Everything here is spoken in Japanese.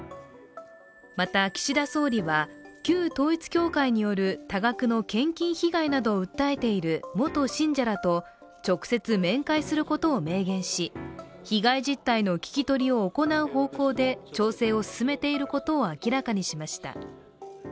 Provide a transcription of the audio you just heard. また岸田総理は旧統一教会による多額の献金被害などを訴えている元信者らと直接面会することを明言し被害実態の聞き取りを行う方向で調整を進めていることを明らかにしました。